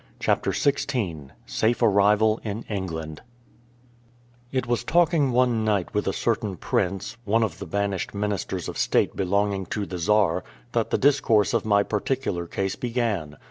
CHAPTER XVI SAFE ARRIVAL IN ENGLAND It was talking one night with a certain prince, one of the banished ministers of state belonging to the Czar, that the discourse of my particular case began.